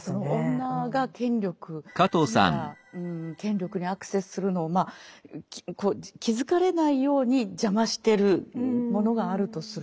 女が権力富や権力にアクセスするのを気付かれないように邪魔してるものがあるとする。